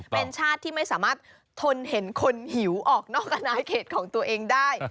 เป็นชาติที่ไม่สามารถทนเห็นคนหิวออกนอกอนาเขตของตัวเองได้